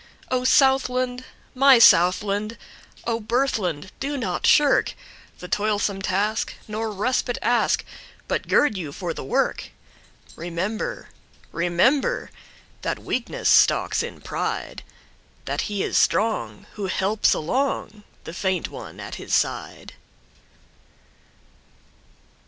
O Southland! my Southland!O birthland! do not shirkThe toilsome task, nor respite ask, But gird you for the work. Remember, rememberThat weakness stalks in pride; That he is strong who helps alongThe faint one at his side.